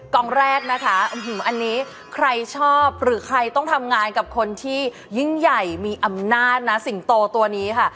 กองแรกนะคะอันนี้ใครชอบหรือใครต้องทำงานกับคนที่ยิ่งใหญ่มีอำนาจนะสิงโตตัวนี้ค่ะ